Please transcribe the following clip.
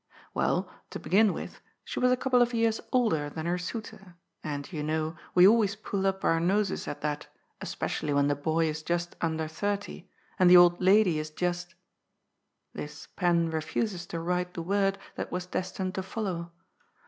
Well, to begin with, she was a couple of years older than her suitor, and, you know, we always pull up our noses at that, especially when the boy is just under thirty, and the old lady is just — this pen refuses to write the word that was destined to follow.